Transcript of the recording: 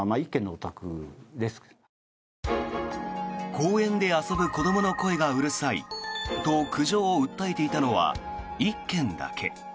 公園で遊ぶ子どもの声がうるさいと苦情を訴えていたのは１軒だけ。